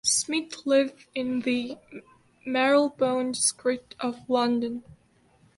Smith lived in the Marylebone district of London.